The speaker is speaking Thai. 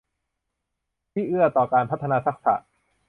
ที่เอื้อต่อการพัฒนาทักษะ